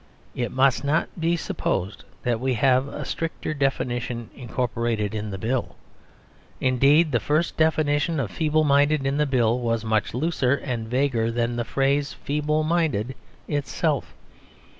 It must not be supposed that we have a stricter definition incorporated in the Bill. Indeed, the first definition of "feeble minded" in the Bill was much looser and vaguer than the phrase "feeble minded" itself.